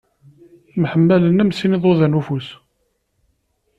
Mḥemmalen am sin iḍudan n ufus.